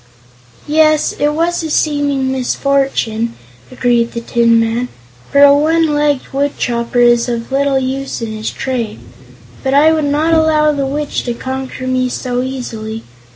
"Yes, it was a seeming misfortune," agreed the Tin Man, "for a one legged woodchopper is of little use in his trade. But I would not allow the Witch to conquer me so easily.